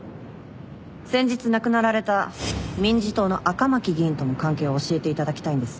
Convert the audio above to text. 先日亡くなられた民事党の赤巻議員との関係を教えていただきたいんです。